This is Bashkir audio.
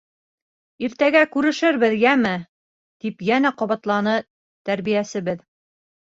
Иртәгә күрешербеҙ, йәме! — тип йәнә ҡабатланы тәрбиәсебеҙ.